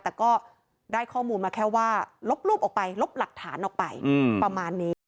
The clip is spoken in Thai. แต่ก็ได้ข้อมูลมาแค่ว่าลบรูปออกไปลบหลักฐานออกไปประมาณนี้